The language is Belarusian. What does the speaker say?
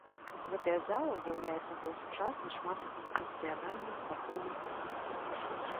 Гэтая зала ўяўляе сабой сучасны шматфункцыянальны спартыўны комплекс.